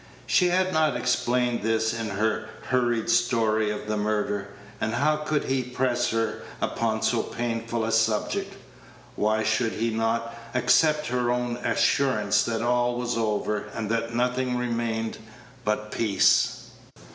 She had not explained this in her hurried story of the murder, and how could he press her upon so painful a subject? Why should he not accept her own assurance that all was over, and that nothing remained but peace.